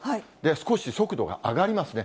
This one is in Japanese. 少し速度が上がりますね。